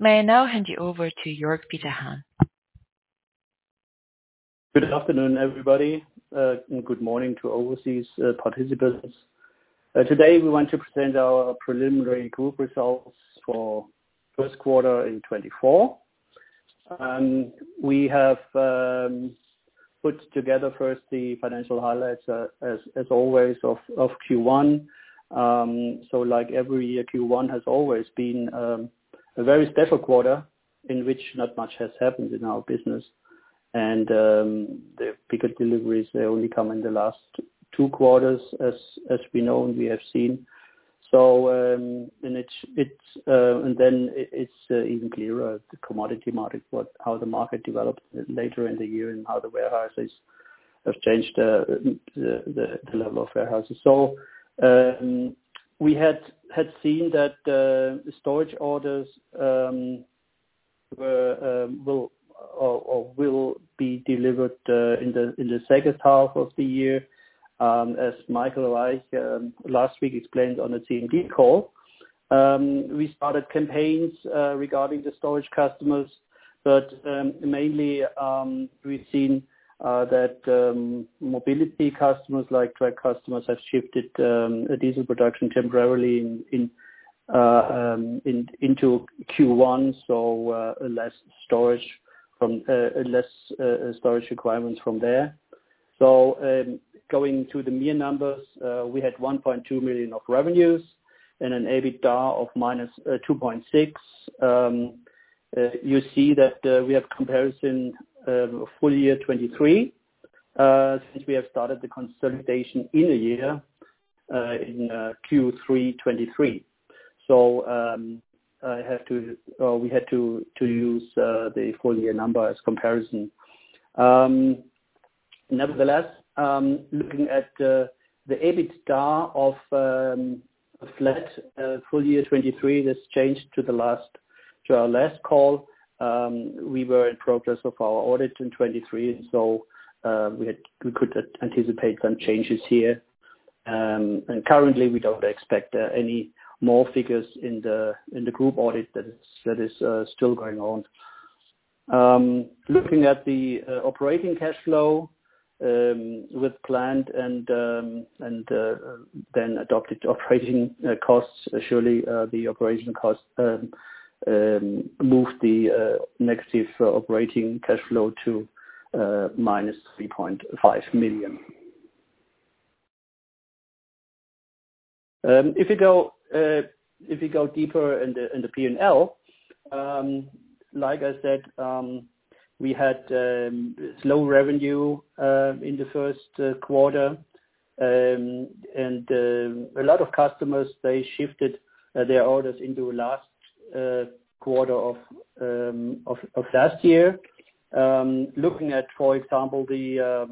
May I now hand you over to Jörg Peter Hahn. Good afternoon, everybody, and good morning to overseas participants. Today, we want to present our preliminary group results for first quarter in 2024. We have put together first the financial highlights, as always, of Q1. So like every year, Q1 has always been a very special quarter in which not much has happened in our business. And the bigger deliveries, they only come in the last two quarters, as we know and we have seen. So and it's even clearer, the commodity market, but how the market develops later in the year and how the warehouses have changed, the level of warehouses. So, we had seen that storage orders were or will be delivered in the second half of the year, as Michael Reich last week explained on the CMD call. We started campaigns regarding the storage customers, but mainly, we've seen that mobility customers, like truck customers, have shifted diesel production temporarily into Q1, so less storage from less storage requirements from there. So, going to the mere numbers, we had 1.2 million of revenues and an EBITDA of -2.6 million. You see that we have comparison full year 2023, since we have started the consolidation in the year in Q3 2023. So, I have to or we had to use the full year number as comparison. Nevertheless, looking at the EBITDA of flat full year 2023, this changed to the last to our last call. We were in progress of our audit in 2023, so we could anticipate some changes here. And currently, we don't expect any more figures in the group audit that is still going on. Looking at the operating cash flow with planned and then adopted operating costs, surely the operating costs moved the negative operating cash flow to -3.5 million. If you go deeper in the P&L, like I said, we had low revenue in the first quarter. A lot of customers, they shifted their orders into last quarter of last year. Looking at, for example, the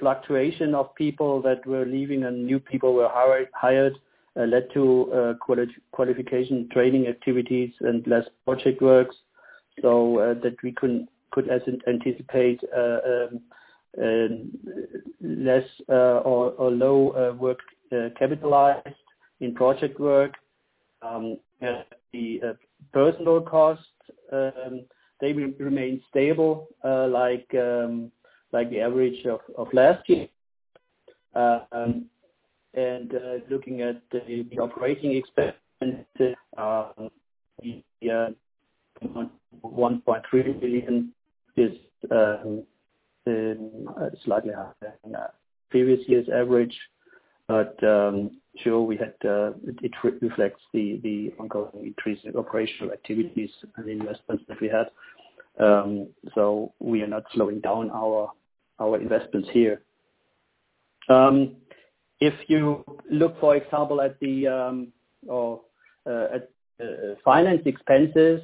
fluctuation of people that were leaving and new people were hired led to qualification training activities and less project works, so that we could not, as anticipated, less or low work capitalized in project work. The personal costs, they will remain stable, like the average of last year. Looking at the operating expenses, yeah, 1.3 million is slightly higher than previous year's average. It reflects the ongoing increased operational activities and investments that we had. So we are not slowing down our investments here. If you look, for example, at finance expenses,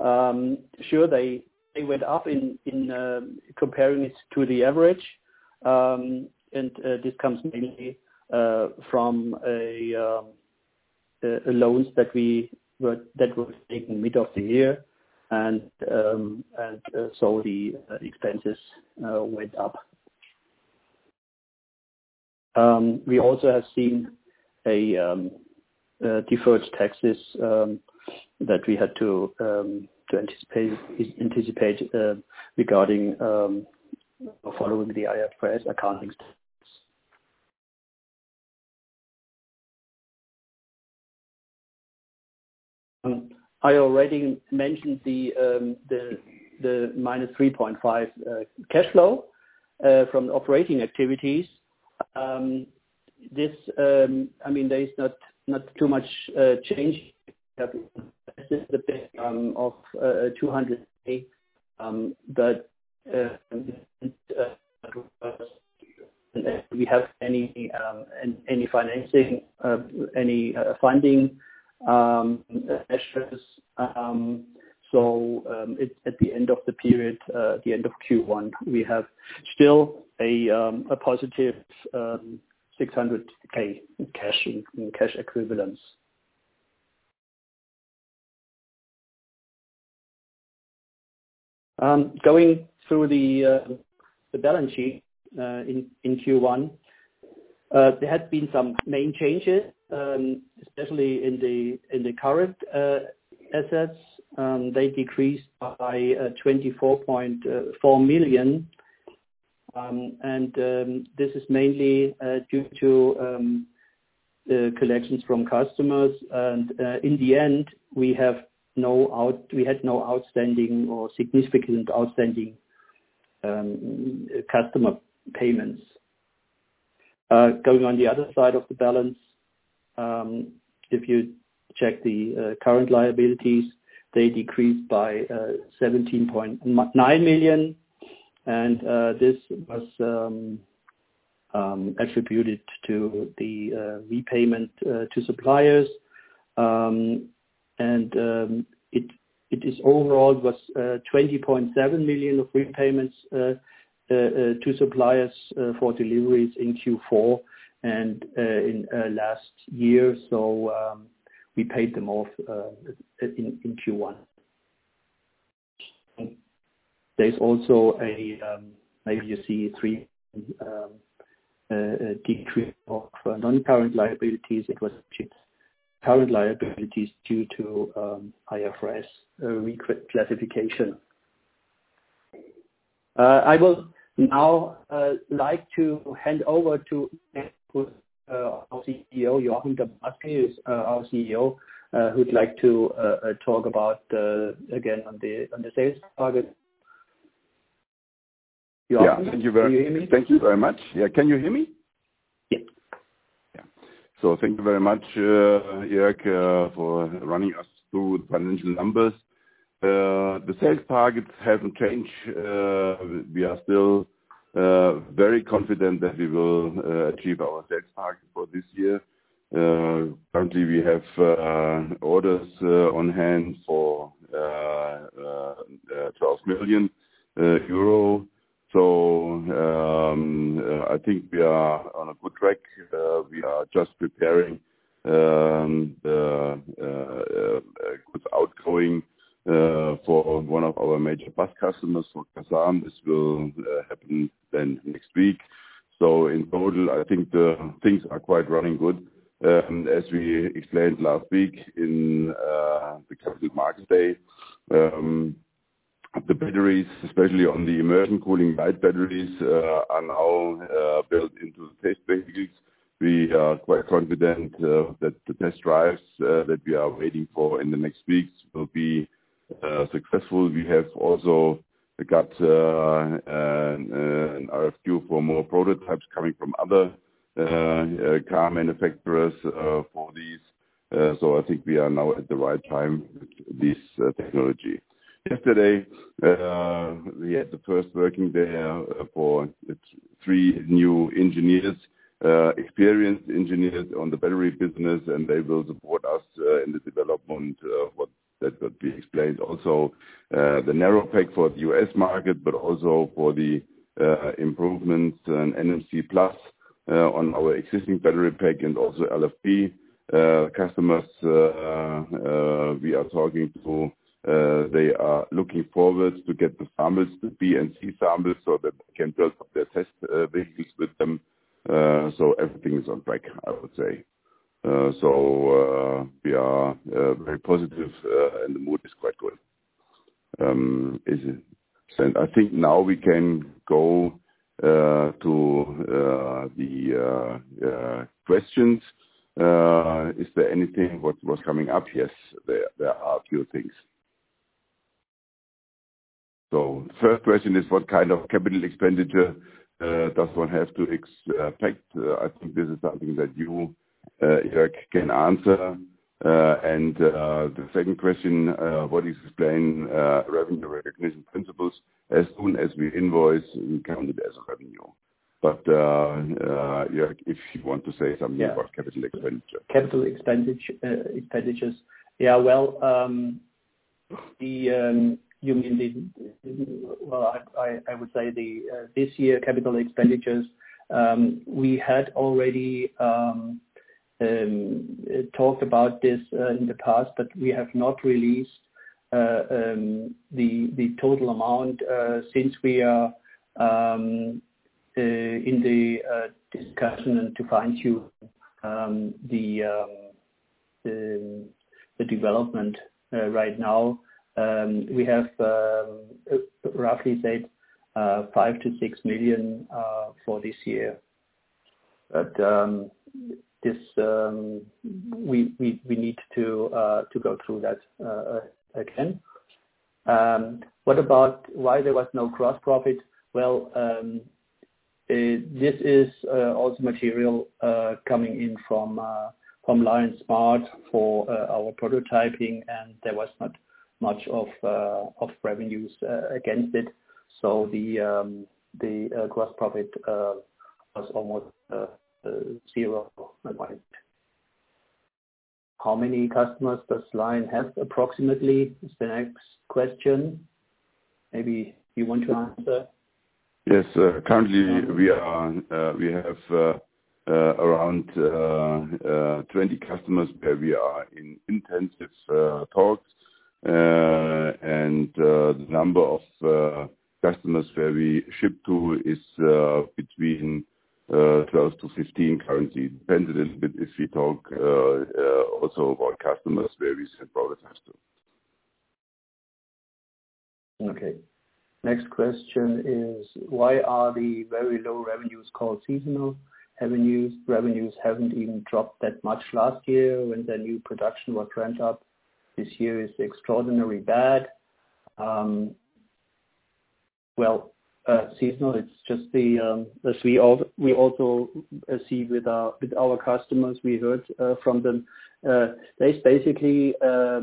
sure, they went up comparing it to the average. And this comes mainly from loans that were taken mid of the year, and so the expenses went up. We also have seen deferred taxes that we had to anticipate regarding following the IFRS accounting. I already mentioned the -3.5 million cash flow from the operating activities. I mean, there is not too much change of EUR 200,000 but we have any any financing any funding measures. So, it's at the end of the period, the end of Q1, we have still a +600,000 in cash, in cash equivalents. Going through the balance sheet in Q1, there had been some main changes, especially in the current assets. They decreased by 24.4 million. And this is mainly due to the collections from customers. In the end, we had no outstanding or significant outstanding customer payments. Going on the other side of the balance, if you check the current liabilities, they decreased by 17.9 million, and this was attributed to the repayment to suppliers. And it overall was 20.7 million of repayments to suppliers for deliveries in Q4 and in last year. So we paid them off in Q1. There's also a maybe you see a decrease of non-current liabilities. It was current liabilities due to IFRS reclassification.I will now like to hand over to our CEO, Joachim Damasky, our CEO, who'd like to talk about again on the sales target. Joachim? Yeah. Thank you very- Can you hear me? Thank you very much. Yeah. Can you hear me? Yes. Yeah. So thank you very much, Jörg, for running us through the financial numbers. The sales targets haven't changed. We are still very confident that we will achieve our sales target for this year. Currently, we have orders on hand for 12 million euro. So, I think we are on a good track. We are just preparing the good outgoing for one of our major bus customers, for Kässbohrer. This will happen then next week. So in total, I think the things are quite running good. As we explained last week in the Capital Markets Day, the batteries, especially on the immersion cooling light batteries, are now built into the test batteries. We are quite confident that the test drives that we are waiting for in the next weeks will be successful. We have also got an RFQ for more prototypes coming from other car manufacturers for these. So I think we are now at the right time with this technology. Yesterday we had the first working day for its three new engineers experienced engineers on the battery business, and they will support us in the development, what- that would be explained also the narrow pack for the U.S. market, but also for the improvements in NMC Plus on our existing battery pack and also LFP. Customers we are talking to, they are looking forward to get the samples, the B and C samples, so that they can build up their test vehicles with them. So everything is on track, I would say. We are very positive, and the mood is quite good. I think now we can go to the questions. Is there anything what was coming up? Yes, there are a few things. First question is: What kind of capital expenditure does one have to expect? I think this is something that you, Jörg, can answer. And the second question: What is explained revenue recognition principles? As soon as we invoice, we count it as revenue. But, Jörg, if you want to say something- Yeah. About capital expenditure. Capital expenditures. Yeah, well, you mean the. Well, I would say the this year capital expenditures we had already talked about this in the past, but we have not released the total amount since we are in the discussion and to fine-tune the development. Right now, we have roughly said 5 million-6 million for this year, but this we need to go through that again. What about why there was no gross profit? Well, this is also material coming in from LION Smart for our prototyping, and there was not much of revenues against it. So the gross profit was almost zero in my mind. How many customers does LION have, approximately? Is the next question. Maybe you want to answer?... Yes, currently we are, we have, around 20 customers where we are in intensive talks. And, the number of customers where we ship to is, between 12-15 currently. Depends a little bit if we talk, also about customers where we send products as to. Okay. Next question is: Why are the very low revenues called seasonal revenues? Revenues haven't even dropped that much last year when the new production was ramped up. This year is extraordinarily bad. Well, seasonal, it's just the, as we also see with our, with our customers, we heard from them. There's basically a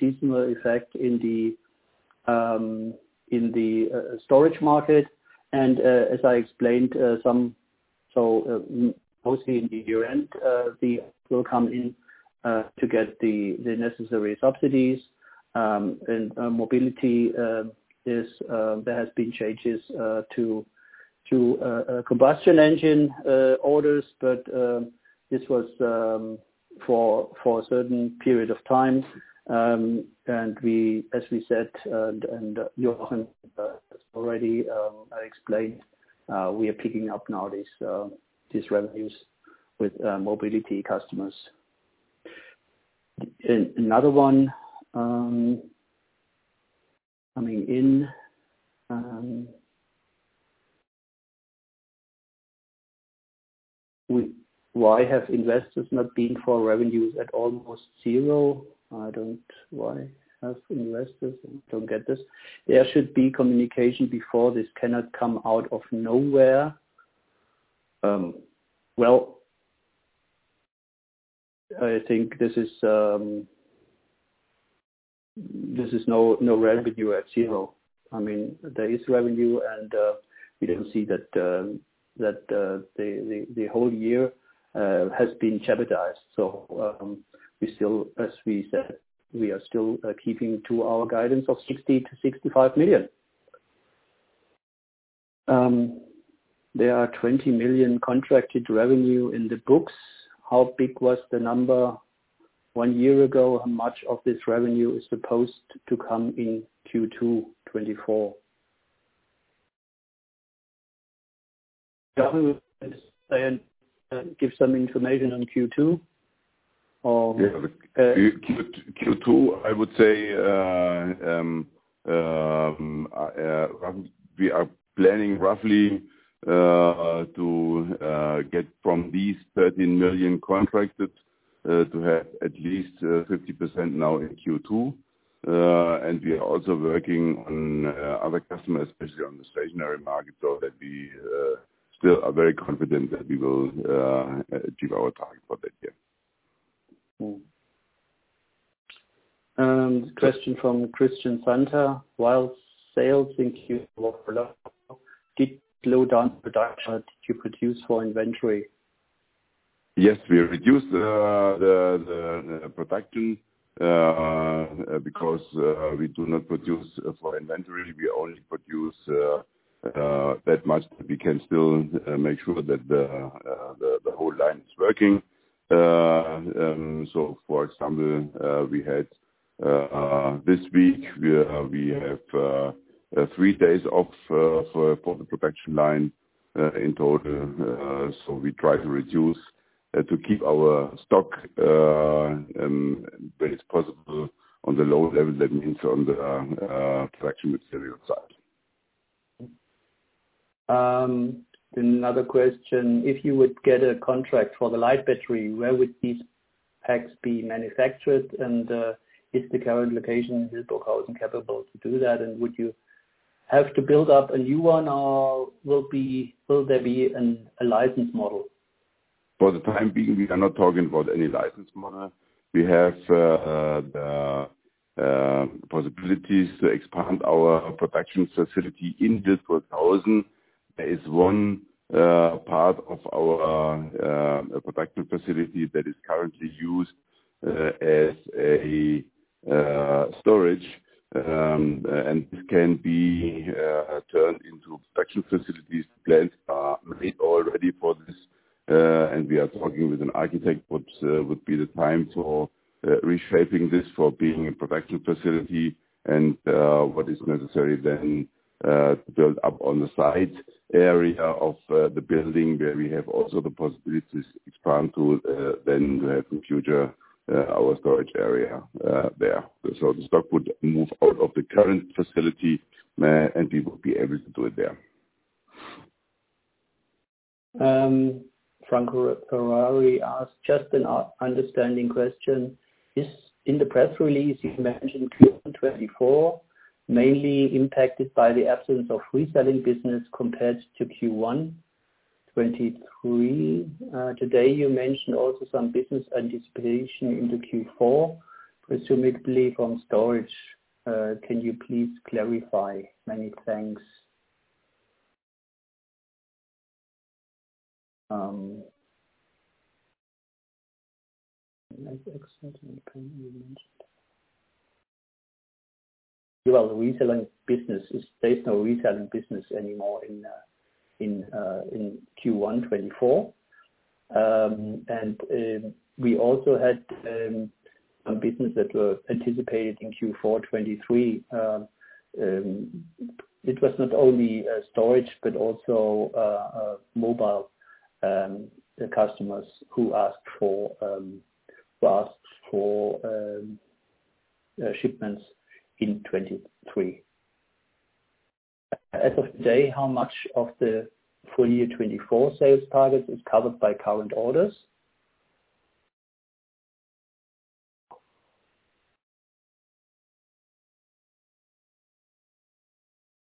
seasonal effect in the storage market. And, as I explained, so, mostly in the year-end, the orders will come in to get the necessary subsidies. And, mobility is, there has been changes to combustion engine orders, but this was for a certain period of time. And we, as we said, and Joachim already explained, we are picking up now these revenues with mobility customers. Another one coming in, "Why have investors not been for revenues at almost zero? I don't... Why have investors..." Don't get this. "There should be communication before this cannot come out of nowhere." Well, I think this is no revenue at zero. I mean, there is revenue, and you can see that the whole year has been jeopardized. So, we still, as we said, we are still keeping to our guidance of 60 million-65 million. There are 20 million contracted revenue in the books. How big was the number one year ago? How much of this revenue is supposed to come in Q2 2024? Joachim, give some information on Q2. Yeah. Q2, I would say, we are planning roughly to get from these 13 million contracted to have at least 50% now in Q2. And we are also working on other customers, especially on the stationary market, so that we still are very confident that we will achieve our target for that year. Question from Christian Fanta: While sales in Q4 did slow down production, did you produce for inventory? Yes, we reduced the production because we do not produce for inventory. We only produce that much. We can still make sure that the whole line is working. So for example, this week we have three days off for the production line in total. So we try to reduce to keep our stock when it's possible on the low level, that means on the production material side. Another question: If you would get a contract for the light battery, where would these packs be manufactured? And, is the current location in Burgau capable to say to do that, and would you have to build up a new one, or will there be a license model? For the time being, we are not talking about any license model. We have the possibilities to expand our production facility in Burgau. There is one part of our production facility that is currently used as a storage, and this can be turned into production facilities. Plans are made already for this, and we are talking with an architect, what would be the time for reshaping this for being a production facility and what is necessary then to build up on the side area of the building, where we have also the possibilities expand to then in future our storage area there. So the stock would move out of the current facility, and we would be able to do it there. Franco Ferrari asked just an understanding question: "Is in the press release, you mentioned Q1 2024, mainly impacted by the absence of reselling business compared to Q1 2023. Today, you mentioned also some business anticipation into Q4, presumably from storage. Can you please clarify? Many thanks." Well, the retailing business is, there's no retailing business anymore in Q1 2024. And we also had some business that were anticipated in Q4 2023. It was not only storage, but also mobile customers who asked for shipments in 2023. As of today, how much of the full year 2024 sales target is covered by current orders?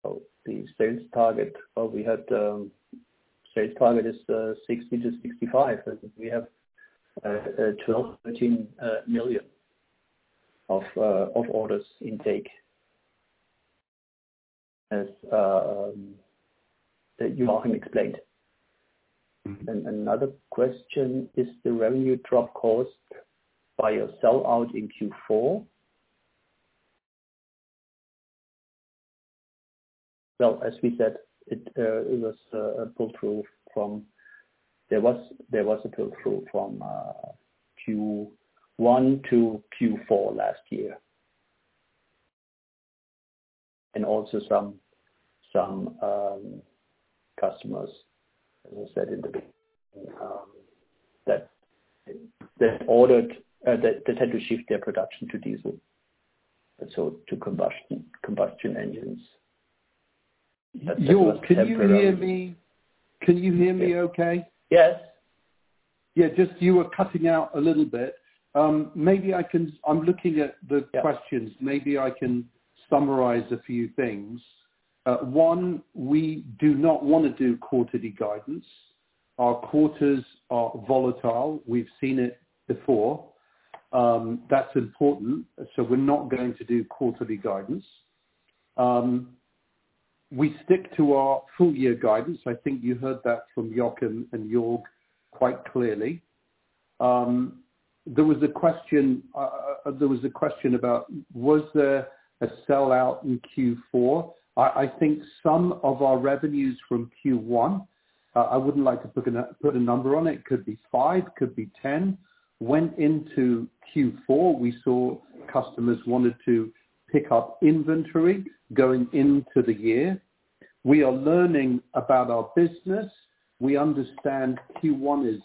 Oh, the sales target, we had sales target is 60-65. I think we have 12-13 million of orders intake, as that Joachim explained. Another question, is the revenue drop caused by a sell out in Q4? Well, as we said, it was a pull through from... There was a pull through from Q1 to Q4 last year. And also some customers, as I said in the that ordered that had to shift their production to diesel, and so to combustion engines. Jörg, can you hear me? Can you hear me okay? Yes. Yeah, just you were cutting out a little bit. Maybe I can-- I'm looking at the questions. Yeah. Maybe I can summarize a few things. One, we do not want to do quarterly guidance. Our quarters are volatile. We've seen it before. That's important, so we're not going to do quarterly guidance. We stick to our full year guidance. I think you heard that from Joachim and Jörg quite clearly. There was a question about, was there a sell out in Q4? I think some of our revenues from Q1, I wouldn't like to put a number on it, could be 5, could be 10, went into Q4. We saw customers wanted to pick up inventory going into the year. We are learning about our business. We understand Q1 is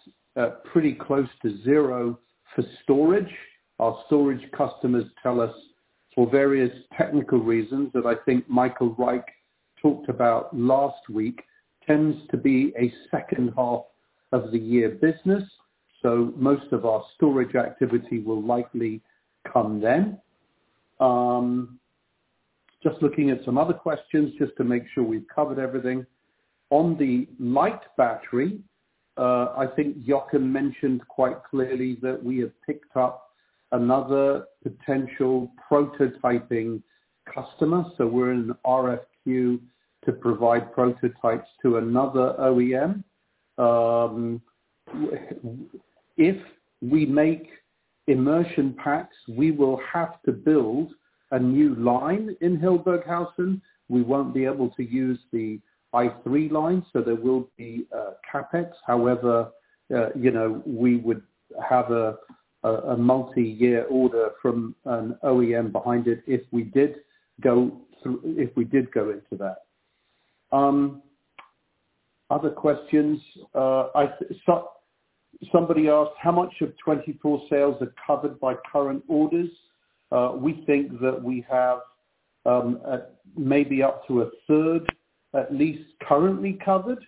pretty close to zero for storage. Our storage customers tell us, for various technical reasons, that I think Michael Reich talked about last week, tends to be a second half of the year business, so most of our storage activity will likely come then. Just looking at some other questions, just to make sure we've covered everything. On the light battery, I think Joachim mentioned quite clearly that we have picked up another potential prototyping customer, so we're in an RFQ to provide prototypes to another OEM. If we make immersion packs, we will have to build a new line in Hildburghausen. We won't be able to use the i3 line, so there will be CapEx. However, you know, we would have a multi-year order from an OEM behind it if we did go through, if we did go into that. Other questions, so somebody asked, "How much of 2024 sales are covered by current orders?" We think that we have maybe up to a third, at least currently covered,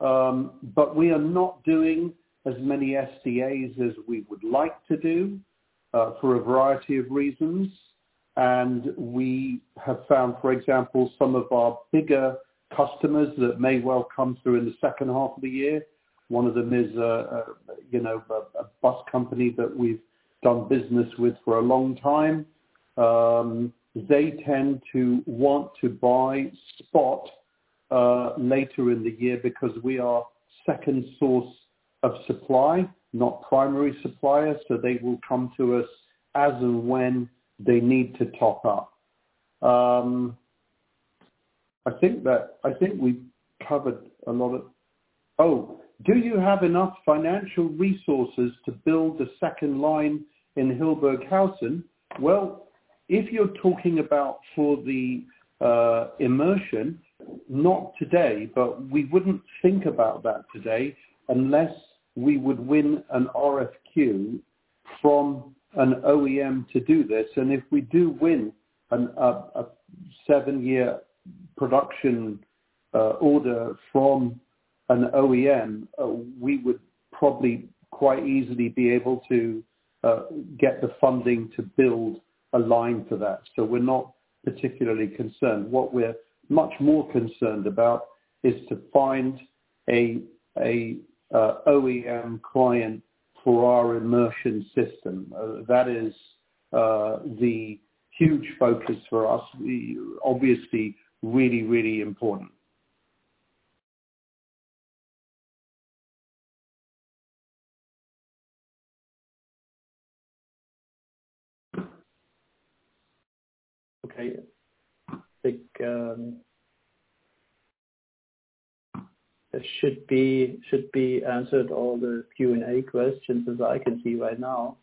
but we are not doing as many NDAs as we would like to do for a variety of reasons. And we have found, for example, some of our bigger customers that may well come through in the second half of the year. One of them is, you know, a bus company that we've done business with for a long time. They tend to want to buy spot later in the year, because we are second source of supply, not primary suppliers. So they will come to us as and when they need to top up. I think we've covered a lot of... Oh, do you have enough financial resources to build a second line in Hildburghausen? Well, if you're talking about for the immersion, not today, but we wouldn't think about that today, unless we would win an RFQ from an OEM to do this. And if we do win a seven-year production order from an OEM, we would probably quite easily be able to get the funding to build a line for that. So we're not particularly concerned. What we're much more concerned about is to find a OEM client for our immersion system that is the huge focus for us, obviously, really, really important. Okay. I think that should be answered, all the Q&A questions, as I can see right now.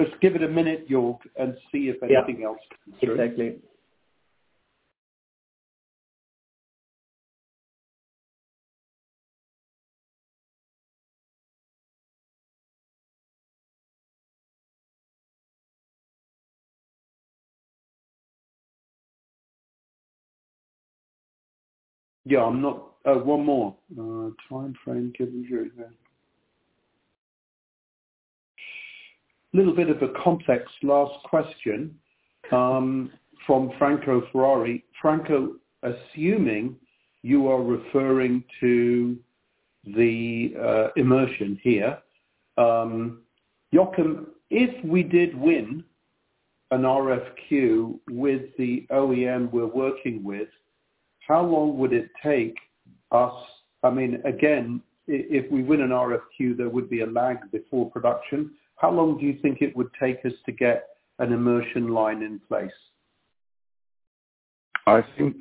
Just give it a minute, Jörg, and see if anything else comes through. Yeah, exactly. Yeah, one more. A little bit of a complex last question from Franco Ferrari. Franco, assuming you are referring to the immersion here, Joachim, if we did win an RFQ with the OEM we're working with, how long would it take us—I mean, again, if we win an RFQ, there would be a lag before production. How long do you think it would take us to get an immersion line in place? I think,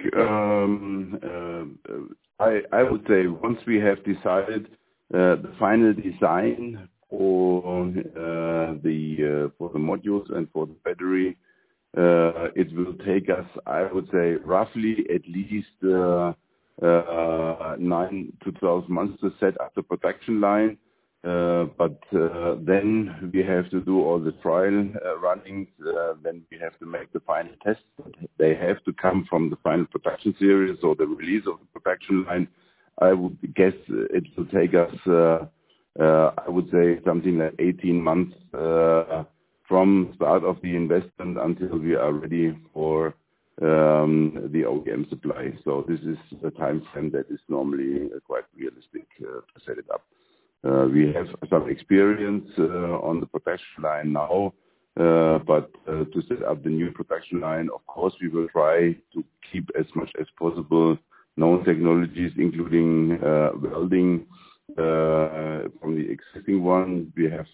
I would say once we have decided the final design for the modules and for the battery, it will take us, I would say, roughly at least 9-12 months to set up the production line. But then we have to do all the trial runnings, then we have to make the final test. They have to come from the final production series or the release of the production line. I would guess it will take us, I would say something like 18 months from start of the investment until we are ready for the OEM supply. So this is a timeframe that is normally quite realistic to set it up. We have some experience on the production line now, but to set up the new production line, of course, we will try to keep as much as possible known technologies, including welding from the existing one. We have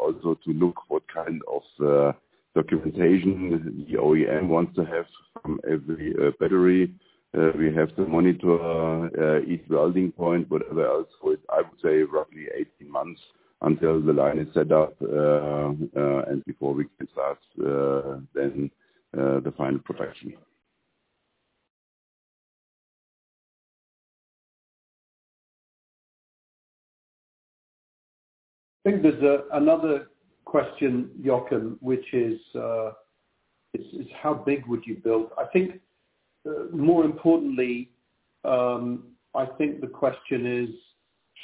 also to look what kind of documentation the OEM wants to have from every battery. We have to monitor each welding point, whatever else. So I would say roughly 18 months until the line is set up, and before we can start then the final production. I think there's another question, Joachim, which is how big would you build? I think, more importantly, I think the question is: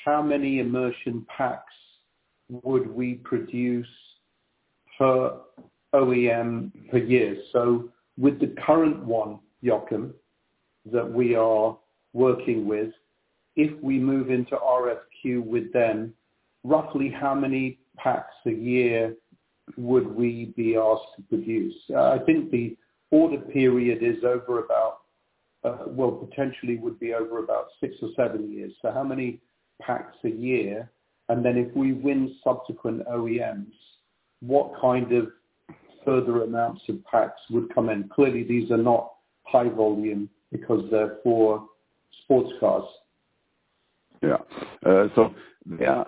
How many immersion packs would we produce per OEM per year? So with the current one, Joachim, that we are working with, if we move into RFQ with them, roughly how many packs a year would we be asked to produce? I think the order period is over about, well, potentially would be over about six or seven years. So how many packs a year? And then if we win subsequent OEMs, what kind of further amounts of packs would come in? Clearly, these are not high volume because they're for sports cars. Yeah. So yeah,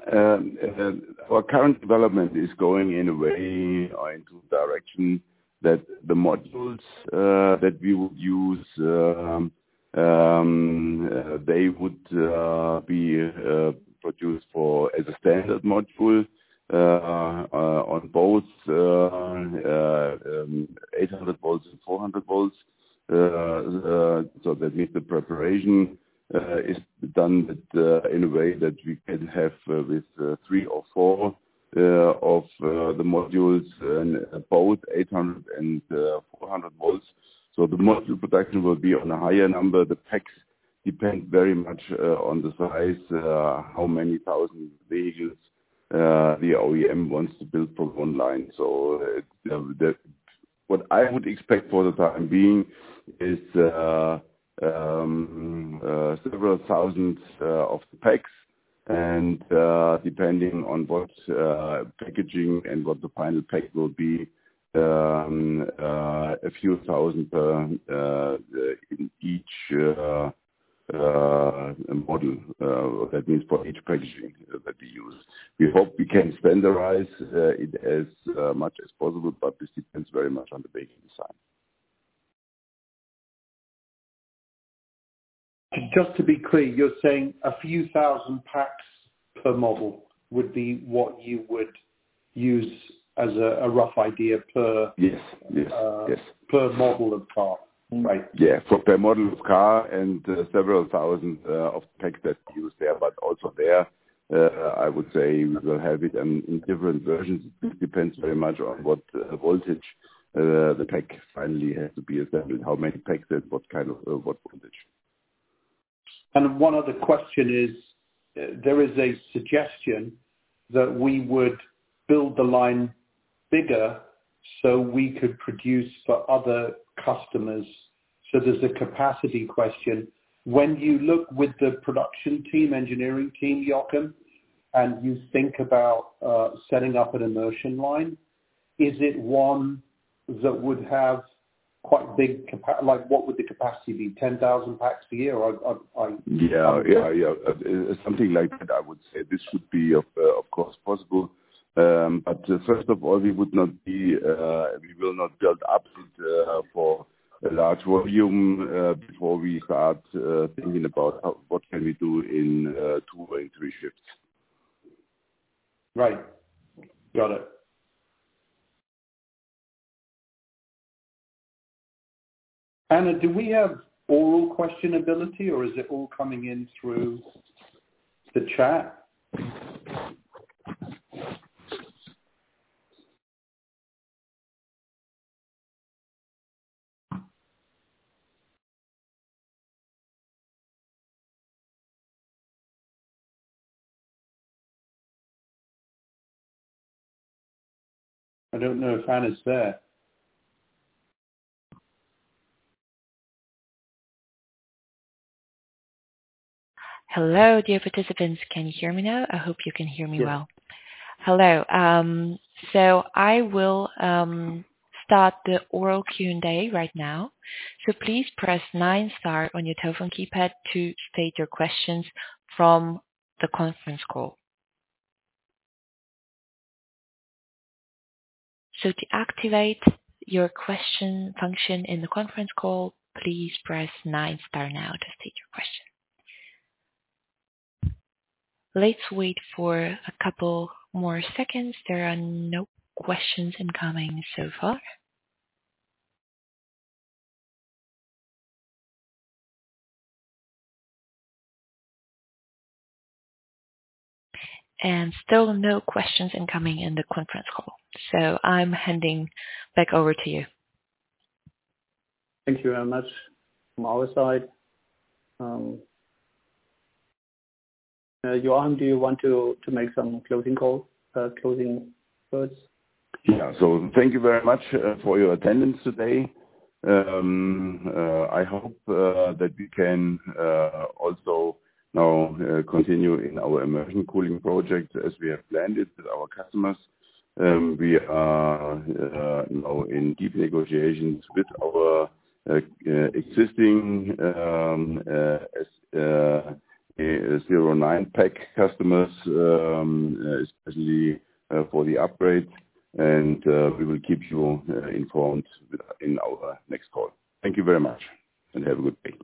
our current development is going in a way or into a direction that the modules that we would use, they would be produced for as a standard module on both 800 volts and 400 volts. So that means the preparation is done with in a way that we can have with three or four of the modules in both 800 and 400 volts. So the module production will be on a higher number. The packs depend very much on the size how many thousand vehicles the OEM wants to build from one line. So, what I would expect for the time being is several thousands of the packs, and depending on what packaging and what the final pack will be, a few thousand per in each model, that m ans for each packaging that we use. We hope we can standardize it as much as possible, but this depends very much on the base design. Just to be clear, you're saying a few thousand packs per model would be what you would use as a rough idea per- Yes. Per model of car, right? Yeah, per model of car and several thousand of packs that we use there. But also there, I would say we will have it in different versions. It depends very much on what voltage the pack finally has to be assembled, how many packs is, what kind of what voltage. ... And one other question is, there is a suggestion that we would build the line bigger, so we could produce for other customers. So there's a capacity question. When you look with the production team, engineering team, Joachim, and you think about setting up an immersion line, is it one that would have quite big capacity? Like, what would the capacity be? 10,000 packs per year? Yeah. Yeah, yeah. Something like that, I would say. This should be, of course, possible. But first of all, we would not be, we will not build up for a large volume before we start thinking about what we can do in two or three shifts. Right. Got it. Anna, do we have oral question ability, or is it all coming in through the chat? I don't know if Anna's there? Hello, dear participants. Can you hear me now? I hope you can hear me well. Yeah. Hello. So I will start the oral Q&A right now. Please press nine star on your telephone keypad to state your questions from the conference call. To activate your question function in the conference call, please press nine star now to state your question. Let's wait for a couple more seconds. There are no questions incoming so far. Still no questions incoming in the conference call, so I'm handing back over to you. Thank you very much from our side. Joachim, do you want to make some closing calls, closing first? Yeah. So thank you very much for your attendance today. I hope that we can also now continue in our immersion cooling project as we have planned it with our customers. We are now in deep negotiations with our existing OEM pack customers, especially for the upgrade, and we will keep you informed in our next call. Thank you very much, and have a good day.